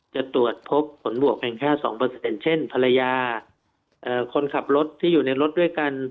จะตรวจพบผลบวกเพียงแค่๒เช่นภรรยาคนขับรถที่อยู่ในรถด้วยกัน